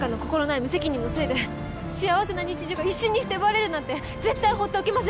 無責任のせいで幸せな日常が一瞬にして奪われるなんて絶対放っておけません。